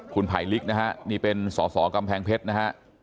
คุณไผลลิกนะฮะนี่เป็นสอสอกำแพงเพชรนะฮะ